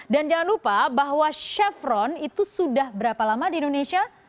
dan jangan lupa bahwa chevron itu sudah berapa lama di indonesia